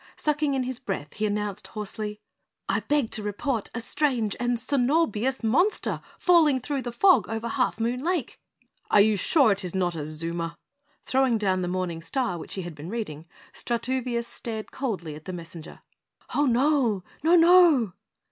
Sucking in his breath he announced hoarsely: "I beg to report a strange and sonorbious monster falling through the fog over Half Moon Lake." "Are you sure it is not a Zoomer?" Throwing down the morning star which he had been reading, Strutoovious stared coldly at the messenger. "Ho, no! Ho, NO!"